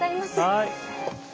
はい。